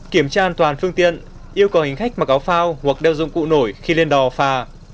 kiểm tra an toàn phương tiện yêu cầu hành khách mặc áo phao hoặc đeo dụng cụ nổi khi lên đò phà